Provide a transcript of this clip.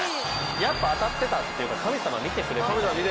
やっぱ当たってたっていうか神様見てくれていた。